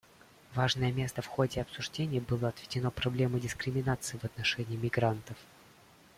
Важное место в ходе обсуждений было отведено проблеме дискриминации в отношении мигрантов.